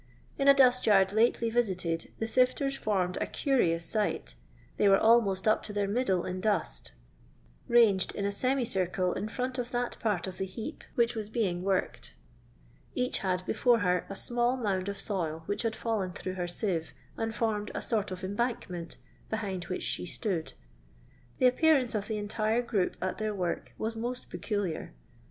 In a dust yard hitely visited the sifters formed a curious sight; they were almost up to their middle iu dust, ranged in a semi circle in front of that part of the heap which was being "worked;'' each had before her a small mound of soil which had fallen through her sieve and formed a sort of embankment, behind which she stood. The appearance of the entire group at their work was most peculiar.